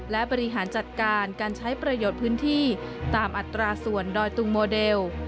และบริหารจัดการการใช้ประโยชน์พื้นที่ตามอัตราส่วนดอยตุงโมเดล